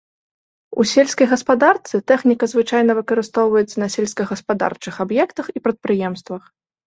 У сельскай гаспадарцы тэхніка звычайна выкарыстоўваецца на сельскагаспадарчых аб'ектах і прадпрыемствах.